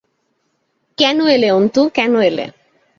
কেন এলে, অন্তু, কেন এলে?